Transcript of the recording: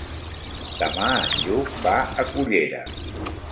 Demà en Lluc va a Cullera.